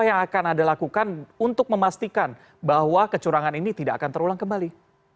apa yang akan anda lakukan untuk memastikan bahwa kecurangan ini tidak akan terulang kembali